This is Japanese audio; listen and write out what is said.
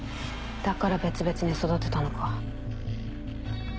だから別々に育てたのか。